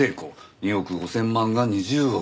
２億５０００万が２０億。